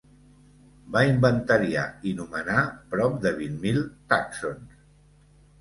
Va inventariar i nomenar prop de vint mil tàxons.